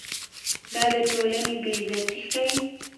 دا د ټولنې بې عزتي ښيي.